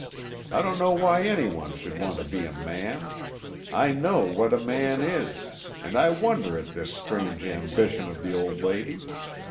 I don't know why anyone should want to be a man; I know what a man is, and I wonder at this strange ambition of the old lady.